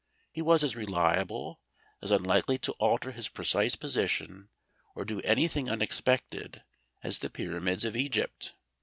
He was as reliable, as unlikely to alter his precise position, or do anything unexpected, as the Pyramids of Egypt.